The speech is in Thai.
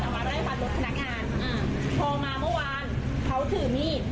มาไล่ฟันรถพนักงานอ่าพอมาเมื่อวานเขาถือมีด